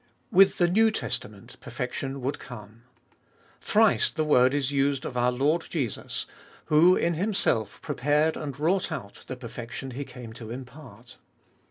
With the New Testament perfection would come. Thrice the word is used of our Lord Jesus, who 188 abe ibotiest of HU in Himself prepared and wrought out the perfection He came to impart.